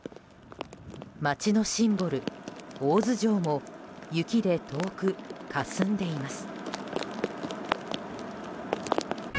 街のシンボル、大洲城も雪で遠くかすんでいます。